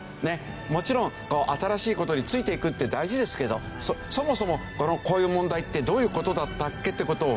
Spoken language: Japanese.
もちろん新しい事についていくって大事ですけどそもそもこういう問題ってどういう事だったっけって事をね